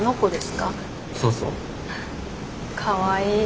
かわいい。